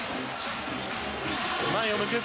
前を向く。